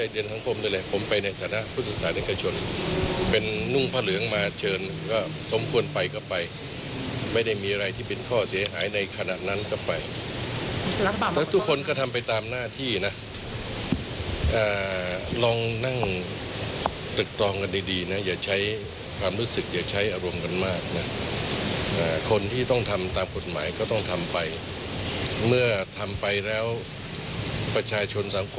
ด้านนายกรัฐมนตรีก็ปฏิเสธตอบคำถามสื่อมวลชน